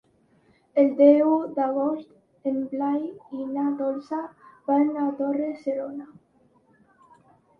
El deu d'agost en Blai i na Dolça van a Torre-serona.